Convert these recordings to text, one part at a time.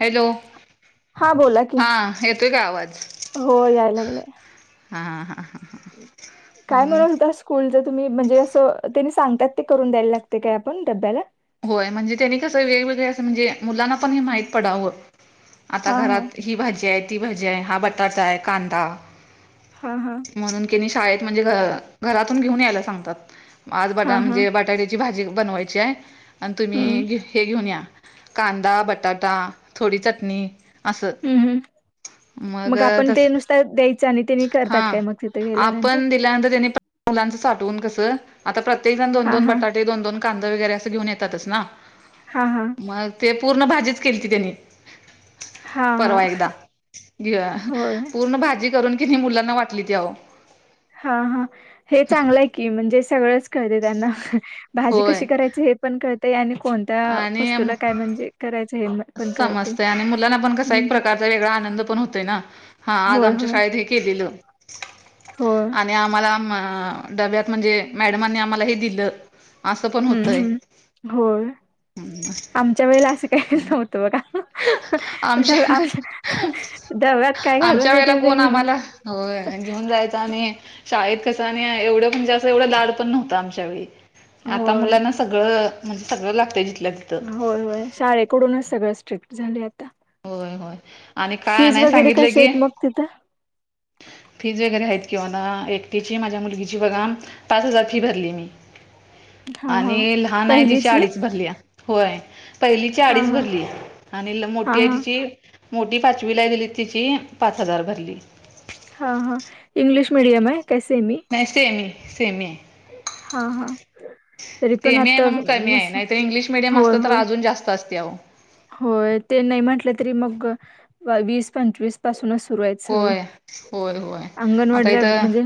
Hello हा बोला की हा येतोय का आवाज हो याय लागलंय हा हा हा हा. काय मग म्हणत होतास. स्कूलच तुम्ही म्हणजे असं त्यांनी सांगतात ते करून द्यायला लागते काय आपण डब्याला होय म्हणजे त्यांनी कसं वेगवेगळे असं म्हणजे मुलांना पण हे माहित पडावं आता हा हा घरात ही भाजी आहे ती भाजी आहे हा बटाटा आहे कांदा हा हा म्हणून की नय शाळेत म्हणजे घ घरातून घेऊन यायला सांगतात आज हा बाटा हा म्हणजे बटाट्या ची भाजी बनवायची आहे आणि हम्म तुम्ही हे घेऊन या कांदा बटाटा थोडी चटणी असं हूं हूं मग आपण ते नुस त द्यायचं आणि तेनी करतात काय मग तिथं गेल्यानंतर ं क आ प्र हा द हा बटाट दोन दोन कांदा वगैरे अस घेऊन येतातच ना हा हा मग ते पूर्ण भाजीच केली ती त्यांनी हा हा परवा एकदा घ होय पूर्ण भाजी करून की मुलांना वाटली त हा हा हे चांगलंय की म्हणजे सगळंच कळते त्यांना भाजी होय कशी करायची हे पण कळतय आणि कोणत्या वस्तूला काय म्हणजे करायचं हे पण कळते समजत आणि मुलांना पण कसा हम्म, एक हम्म. प्रकारचा वेगळा आनंद पण होतोय ना हा आज होय आमच्या होय शाळेत हे केलेलं होय आणि आमला डब्यात म्हणजे मॅडमांनी आम्हाला हे दिलं असं पण हम्म होतंय हम् होय आमच्या वेळेला असे काहीच नव्हतं बघा आ आमच्या दब्यात काय घालून देतील ते घेऊन जायचं हो घेऊन जायच आणि शाळेत कसं आणि एवढं पण जास्त एवढं लाड पण नव्हं आमच्या वेळी आता होय. मुलांना सगळं म्हणजे सगळं लागतंय जिथलं तिथं हो होय शाळेत कडूनच सगळ स्ट्रिक्ट झाले आता होय होय आणि काय फीज आणाय वगैरे सांगितलं कश की आहेत मग तिथं फीज वगैरे आहेत किंवा ना एकटीची माझ्या मुलगीची बघा पाच हजार फी भरली मी हा हा आणि लहान आहे तिच्या पहिलीची अडीच भरली होय पहिली हा अडीच हा भरली आणि मो हा हा त मोठी पाचवी ला दिली तिची पाच हजार भरली हा हा इंग्लिश मीडिम है कैसे मी नाही सेमी सेमी आहे हा हा तरी पण तेमय आता म्हणून कमी आहे मस्त नाहीतर इंग्लिश मिीडियम होय असत तर होय अजून जास्त असते अ होय ते नाही म्हटलं तरी मग वीस पंचवीस पासूनच सुरू आहेत सगळं होय होय होय आता अंगणवाडीला इथं म्हणजे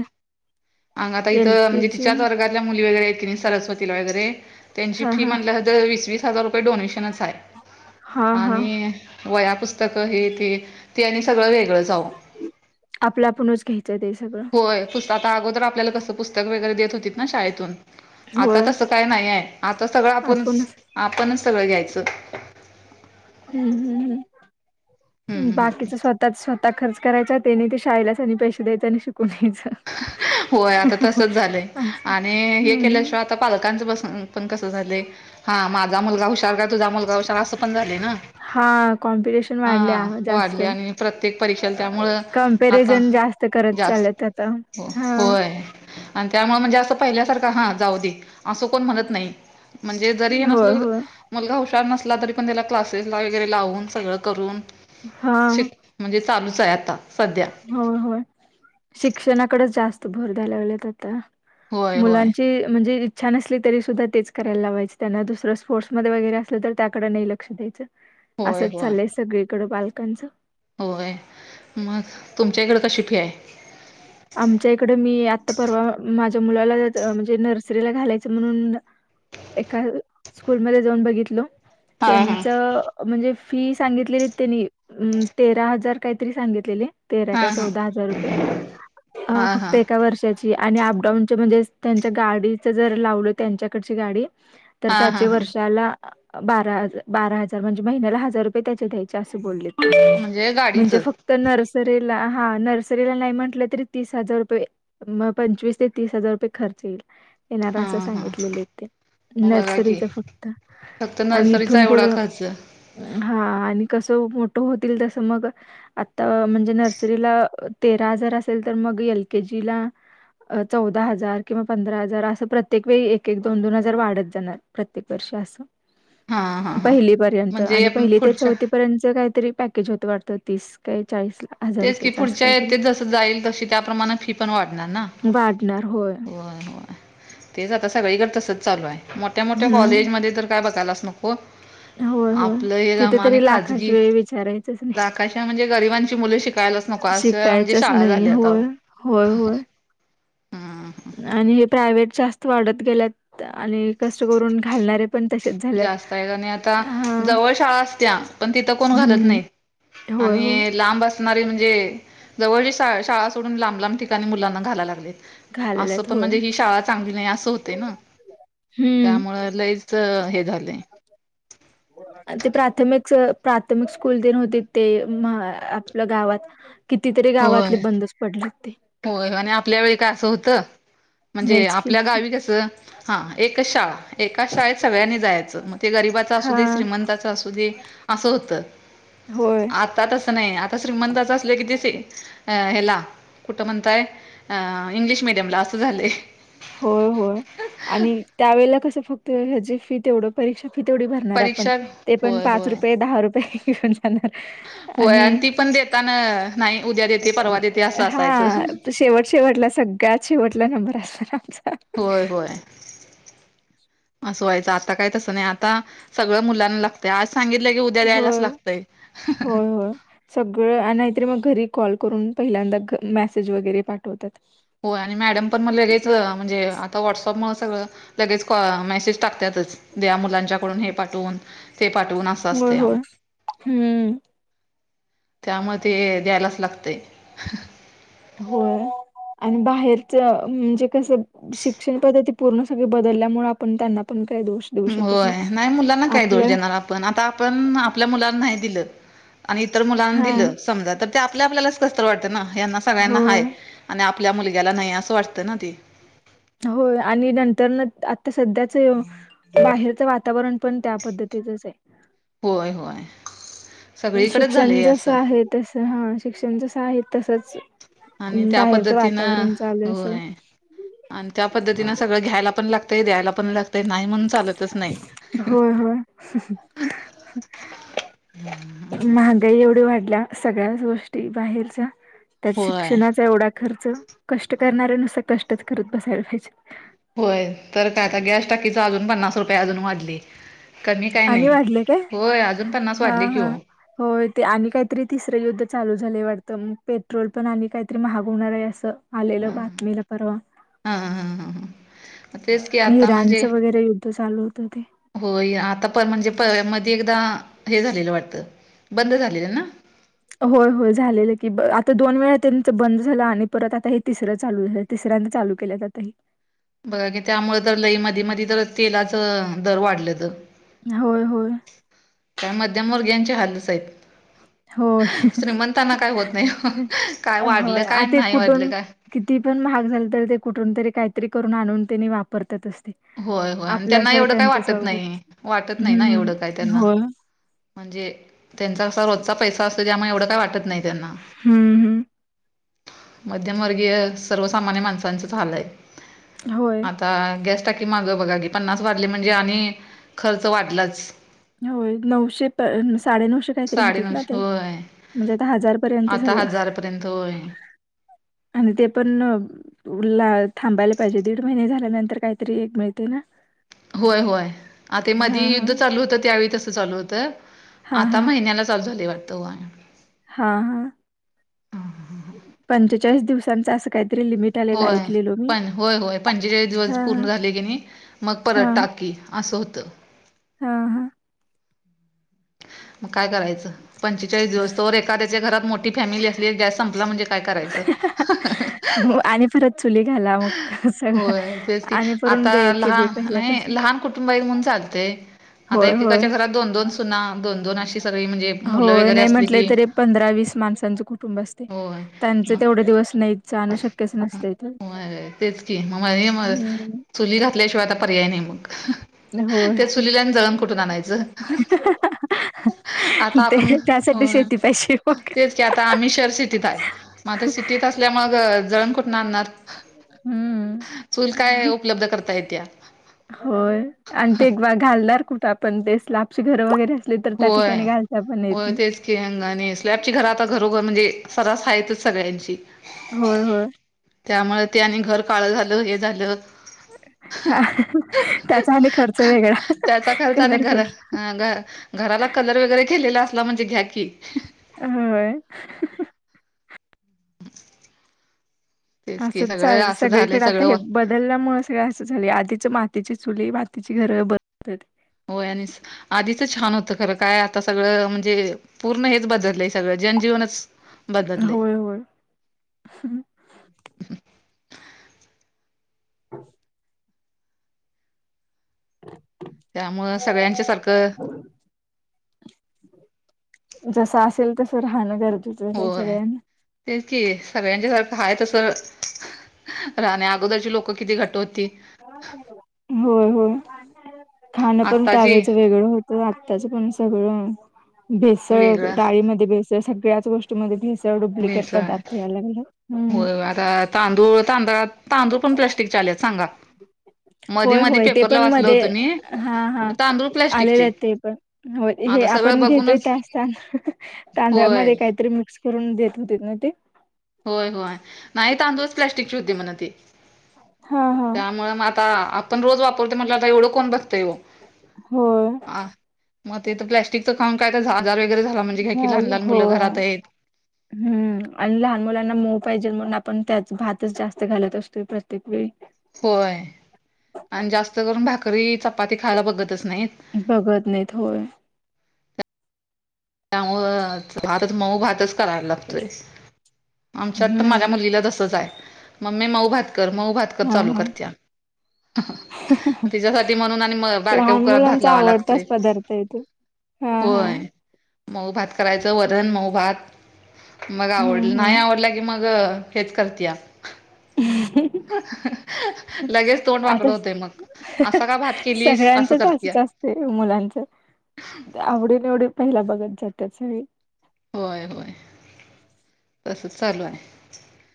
अंग आता एल इथं के म्हणजे जी तिच्या व तिच्या वर्गातील मुली वगैरे सरस्वती ला वगैरे त्यांची हा फी हा म्हणला तर वीस वीस हजार रुपये डोनेशनच आहे हा हा आणि वया पुस्तकं ही ती ती आणि सगळं वेगळं जाऊ आपल्या आपणच घ्यायचं ते सगळं होय पुस्तात अगोदर आपल्याला कसं पुस्तक वगैरे देत होती ना शाळेतून आता होय तसं काय नाहीय आता सगळं आपणच आपणच सगळं घ्यायचं हम्म हम्म हम् हम्म हम्म बाकीच स्वतःच स्वतः ता खर्च करायचा त्याने ते शाळेलाच आणि पैसे द्यायचे आणि शिकून घच होय आता तसच झालंय असं आणि हे हम्म हम्म केल्याशिवाय आता पालकांच बसून पण कसं झाले हा माझा मुलगा हुशार का तुझा मुलगा हुशार असं पण झाले ना हा कॉम्पिटिशन वाढले हा जास्त वाढले आणि प्रत्येक परीक्षेला त्यामुळं आता कमपेरिझन जास्त ते करत जास्त चालत आता हो हा होय आणि त्यामुळे म्हणजे असं पहिल्यासारखं हा जाऊ दे असं कोण म्हणत नाही म्हणजे जरी हे होय नसलं होय मुलगा हुशार नसला तरी पण त्याला क्लासेस ला वगैरे लावून सगळं करून हा शिक म्हणजे चालूच आहे आता सध्या हो होय शिक्षणाकडेच जास्त भर झाल्यावल्यात आता होय होय मुलांची म्हणजे छान असली तरी सुद्धा तेच करायला लावायचें त्यांना दुसरं स्पोर्ट्मध्ये वगैरे असलं तर त्याकडें नाही लक्ष द्यायचं होय असंच होय चाललंय सगळीकड बालकांचं होय मग तुमच्या इकडें कशी फी आहे ह आमच्या इकडं मी आत्ता परवा माझ्या मुलाला म्हणजे नर्सरीला घालायचं म्हणून एका स्कूलमध्ये जाऊन बघितल हा हा त्यांच म्हणजे फी सांगितलेली त्यांनी तेरा हजार काहीतरी सांगितलेले तेरा हा काय हा चौदा हजार रुपये हा फक्त हा एका वर्षा आणि अपडाऊन म्हणजे त्यांच्या गाडीच जर लावल त्यांच्याकडची गाडी तर हा हा त्याचे हा वर्ष ब ब हार म्हणजे महिन्याला हजार रुपये त्या द्यायचे अस बले म्हणजे म्हणजे गाडीचं फक्त नर्सरीला हा नर्सरी म्हट तरी तीस हजार रये पंचस ते तीस हार रुपये खर्च येई येणार हा असं हा सांगितलेले ते मग बघा की नर्सरीच फक्त फक्त आणि नर्सरीचा इथून पुढ एवढा खर्च हा आणि कसं मोठं होतील तसं मग आता म्हणजे नर्सरीला तेरा हजार असेल तर मग एल केजी ला चौदा हजार किंवा पंधरा हजार असं प्रत्येक वेळी एक एक दोन दोन हजार वाढत जाणार प्रत्येक वर्ष असं हा हा हा पहिली पर्यंत आणि म्हणजे पहि ते पुढच्या चौथी पर्यंत कातरी होतं वाटतं तीस काय चाळीस हजार रुपयेचां थ जस जाईल तशी त्याप्रमाणे फी पण वाढणार ना होय होय तेच आता सगळीकडे तसच चालू आहे मोठ्या मोठ्या हम्म. कॉलेजमध्येध्ये तर काय बघायच नकत हो होय, होय. आपलं हे तिथे रमाने तरी लाखाश खाजगी वेळ विचारायचंच नाही. राकायची म्हणजे गरिबांची मुलं शिकायलाच नको असं म्हणजे शिकायचंच शाळा नाही. झाल्या आता होय. होय, होय. आणि हे प्रायव्हेट जास्त वाढत गेल्यात आणि कष्ट करून घालणारे ण त जास्त आहे आणि आता जवळ शाळा असत्या पण तिथं कोण घालत हम्म. नाहीत होय, होय. आणि लांबच म्हणजे जवळ शाळा सोडून लांब लांब ठिकाणी मुलांना घायला लागलेत असं घालवल्यात पण होय. म्हणजे ही शाळा चांगली नाही असं होते ना हम्म. त्यामुळे लईच हे झालंय. [inaudible] ते प्राथमिक प्राथमिक स्कूल दिन होती ते आपल्या गावात कितीतरी गावातले होय. बंदच पडले ते होय आणि आपल्या वेळी काय असं होतं म्हणजे नाहीच की. आपल्या गावी कसं हा एक शाळा एका शाळेत सगळ्यांनी जायच ग गबा अस हा. श्रीमता अस अस होत होय. आता तच नाही आता श्रीमंत अस असल कि ते अ हेला कुठं म्हणताय इंग्लिश मिीडियमला असं झालंय होय होय आणि त्यावेेळेला कसं फक्त ह्याची फी तेवढं परीक्षा फ तेवडी भरणार आपण परीक्षा ते पण होय पाच होय रुपये दहा रुपये घेऊन जाणार होय आणि ती पण देताना नाही उद्या देते परवा देते असं असायचं हा शेवट शेवटला सग काय शेवटला नंबर असणार आमचा होय होय असं व्हायचं आता काय तसं नाही आता सगळं मुलांना लागतं आज सांगितलं की उ ्या द्यायलाच होय लागतय होय होय सगळं नाहीतरी मग घरी कॉल करून पहिल्यांदा मेसेज वगैरे पाठवतात हो आणि मॅडम पण मला लगेच म्हणजे आता व्हॉट्सअप म सगळं लगेच मेसेज टाकतातच द मुलांच्याकडून हे पाठवून ते पाटव ना स होय असते आ होय हम्म त्यामध्ये द्यायलाच लागते होय आणि बाहेरच म्हणजे कस शिक्षण पद्धती. पूर्ण सगळे बदलल्यामुळे आपण त्यांना पण काही दोष देऊ शकत होय नाही मुलांना काही दोष आपलं देणार. आ आपण आपल्या मुलांना नाही दिलं आणि इतर मुलांना हा दिलं समजा. ते आपल्या आपल्यालाच कसत वाटतं ना हना सगळ्यांना होय हाय आणि आपल्या मुलग्याला नाही असं वाटतं ना ती. होय आणि नंतर न आता सध्याच. बाहेरचं वातावरण पण त्या पद्धतीचंच आहे. होय होय. सगळीकडेच शिक्षण झालंय जस असं आहे तसं हा शिक्षण जसं आहे तसच. आणि त्या पद्धतीनं सगळं होय आणि त्या पद्धतीनं सगळं घ्यायला पण लागत. ते द्यायला पण लागते. होय होय. [unintelligible] महागाई एवढी वाढल्या सगळ्याच गोष्टी बाहेरच्या. त्यात होय शिक्षणाचा एवढा खर्च कष्ट करणाऱ्या नुसार कष्टच करत बसायला पाहिजे. होय तर काय आता गॅस टाकीच अजून पन्नास रुपये अजून वाढली. कमी काय आणि नाही वाढले काय? होय अजून पन्नास हा वाढले कि हा हो. होय ते आणि काहीतरी तिसरं युद्ध चालू झालंय वाटतं मग पेट्रोल पण आणि काहीतरी महाग होणार आहे असं. आलेलं हा बातमीला परवा. हा हां हां हां. इराणचं वगैरे युद्ध चालू होतं ते. होय आता प म्हणजे मध्ये एकदा हे झालेलं वाटत बंद झालेलं ना. होय होय झालेलं की आता दोन वेळा त्यांंत बंद झाला आणि परत आता हे तिसरं चालू आहे. तिसऱ्यांद चालू केल्या जात आहे. बघा की त्यामुळे तर लही म म तर तेलाच दर वाढलं तर. होय होय. का मध्यमवर्गीयाचे हालस आहेत. होय श्रीमंतना काय होत नाही काय वाढलं होय काय आ आणि ते नाही वाढलं कुठून काय. किती पण महाग झालं तर ते कुठून तरी काहीतरी करून आणून त्यांनी वापरतात असते. होय होय आणि त्यांना एवढं काय वाटत नाही वाटत नाही ना एवढं काय हम्म त्यांना. होय म्हणजे त्यांचा कसा रोजचा पैसा असतो ज्यामुळे एवढं काही वाटत नाही त्यांना. हम्म हम्म मध्यमवर्गीय सर्वसामान्य माणसांचेच हाल आहे. होय. आता गॅस् टाकी माग बघा की पन्नास वाढले म्हणजे आणि खर्च वाढलाच. होय नऊशे प साडेनऊशे काहीतरी होते ना साडेनऊशे ते. होय म्हणजे आता हजारपर्यंत झालं. तय. आणि ते पण. थांबायला पाहिजे दीड महिने झाल्यानंतर काहीतरी एक मिळते ना. होय होय आता मधी हां, युद्ध हां. चालू होतं त्यावेळी तसं चालू होतं. हां, आता हां. महिन्याला चालू झाली वाटतं. हा हा. पंचेचाळीस दिवसांचं असं काहीतरी लिमिट. आलेलं होय ऐकलेलो मी. पण होय होय पंचेचाळीस दिवस हां, पूर्ण हां. झाले की नाही. मग परत टाकी असं होतं. हा हां. मग काय करायचं. पंचेचाळीस दिवस तरवर एका त्याच्या घरात मोठी फॅमिली असली जास्त संपला म्हणजे काय करायचं. आणि पररत. चुली घाला मग सगळं होय तेच की आणि परून आता बी एके बी लहान नाही पहिल्यापासून. लहान कुटुंब आहे म्हणून चालतंय. आता होय, एकेकाच्या घरात दोन होय. दोन सुना दोन दोन अशी सगळी म्हणजे. मुलं होय वगैरे नाही असली म्हटलं की तरी पंधरा वीस माणसांचं कुटुंब असते होय त्यांच मग तेवढे दिवस नाही णू शक्यच नसतं इथ अर तेच की मग म म चुली घातल्याशिवाय आता पर्याय नाही मग होय. त्या चलीलान जळम कुठून आणायचं आ ते आप त्यासाठी शेती पाहिजे मग. तेच क आता आम्ही शहर सिटीत आहे मग सिटीत मग जळ कुठ आणणार हम्म चूल काय उपलब्ध करताय त्या होय आणि ते एक बा घालणार कुठं आपण ते आपची घरं वगैरे असले तर त्या ठिकाणी घालत हो तेच की अंगाने स्लॅबची घर आता घरोघर म्हणजे सरस आहेतच सगळ्यांची होय होय त्यामुळे ते आणि घर काळ झालं हे झालं हा त्याचा आणि खर्च वेगळा कलर करून ह घराला कलर वगैरे केलेला असला म्हणजे घ्या की होय तेच की असंच सगळं चाल असं झालंय सगळीकडे आता हे सगळं ब आडल्यामुळे सगळं असं झाली आधीच मातीची चुली मातीची घर बनत होय आणि आधीच छान होतं खरं काय आता सगळं म्हणजे पूर्ण हेच बदललंय सगळं जनजीवनच बददले होय होय हा त्यामुं सगळ्यांच्या सारखं जस असेल तस राहणं गरजेच होय तेच कि सगळ्यांच्या सारखं आहे तसं राहणे अगोदरची लोकं किती घट होती होय होय खाणं पण आत्ताची त्यावेळेच वेगळं होत तर आत्ताचं पण सगळं भेसळ वेगळं डाळीमध्ये भेसळ सगळ्याच गोष्टी ध्ये डुप्लिकेट भेसळ पदार्थ याग होय आता तांदूळ तांदळा तांदूळ पण प्लस्टिक चालेत सांगा मधी होय मधी होय ते पेपरला पण वाचलं मध्ये होतं मी हा हा तांदूळ प्लॅस्टिकचे आलेले ते पण हो हे आता सगळं आपण घेतोय बघूनच त्या तां होय तांदळा्यामध्ये काहीतरी मिक्स करून देत होते ना ते होय होय नाही तांदूळच प्लास्टिकची होद् म्हण हा हा मग आता आपण रोज वापरतो म्हट आता एवढं कोण बघतय होय मग ते तर प्लॅस्टिकचं काम काय तर आजार वगैरे झाला म्हणजे काय की लहान झालं लहान मुलंं होय. घरात आहेत हम्म आणि लहान मुलांना मोऊ पाहिजे म्हणून आपण त्याच भातच जास्त घालत असतोय प्रत्येक वेळी होय आणि जास्त करून भाकरी चपाती खायला बघतच नाहीत बघत नाहीत होय त्यामु भातच मऊ भातच कराला लागतय आमच्यात तर माझ्या हम्म. मुलीला तसच आहे मम् ममी मऊ भातकर मऊ भातकर हा चालू हा करत्या तिच्यासाठी म्हणून आणि म बारक्या लहान कुकरात भात मुलांचा लावा आवडताच लागतोय पदार्थ आहे तो हा हा. होय मऊ भात करायचं वरण मऊ भात मग आवड हम्म नाही आवडलं की मग अग हेच करत या हम्म लगेच तोंड वाकड आता होते मग असं का भात केली असं सगळ्यांचच करतीय असंच आवडीन एवढी पहिला बघत जात त्या सळी होय होय तस चालू आहे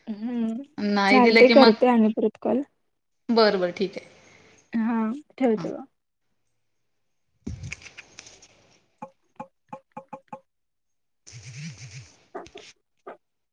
हम्म नाही दिलं चालते की मग करते आम्ही परत कॉल बरं बरं ठीक आहे. हा ठेव ठेव किती किती